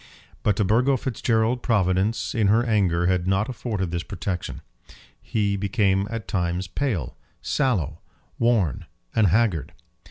But to Burgo Fitzgerald Providence in her anger had not afforded this protection. He became at times pale, sallow, worn, and haggard.